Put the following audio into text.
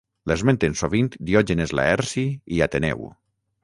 L'esmenten sovint Diògenes Laerci i Ateneu.